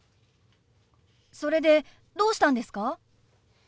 それでどうしたんですか？